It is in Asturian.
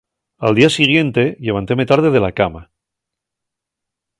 Al día siguiente llevantéme tarde de la cama.